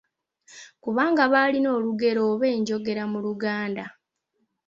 Kubanga baalina olugero oba enjogera mu Luganda.